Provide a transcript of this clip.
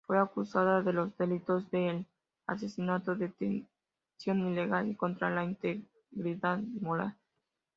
Fue acusada de los delitos de asesinato, detención ilegal y contra la integridad moral.